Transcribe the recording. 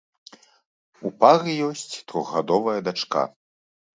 У пары ёсць трохгадовая дачка.